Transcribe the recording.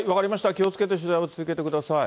気をつけて、取材を続けてください。